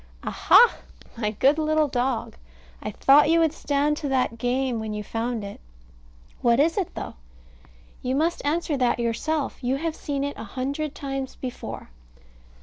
Aha! my good little dog! I thought you would stand to that game when you found it. What is it, though? You must answer that yourself. You have seen it a hundred times before.